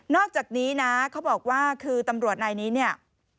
อกจากนี้นะเขาบอกว่าคือตำรวจนายนี้เนี่ย